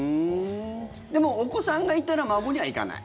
でも、お子さんがいたら孫には行かない？